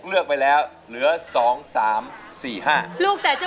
เลือกไปแรก๖นะคะ